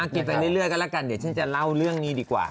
กินไปเรื่อยก็แล้วกันเดี๋ยวฉันจะเล่าเรื่องนี้ดีกว่า